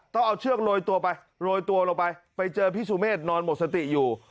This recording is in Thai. ต้องเอาเชือกโรยตัวไปโรยตัวลงไปไปเจอพี่สุเมฆนอนหมดสติอยู่